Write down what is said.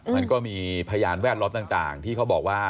มันก็มีพยานแวดล้อมต่างที่เขาบอกว่า